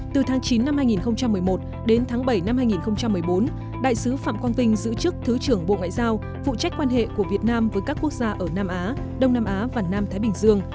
từ tháng chín năm hai nghìn một mươi một đến tháng bảy năm hai nghìn một mươi bốn đại sứ phạm quang vinh giữ chức thứ trưởng bộ ngoại giao phụ trách quan hệ của việt nam với các quốc gia ở nam á đông nam á và nam thái bình dương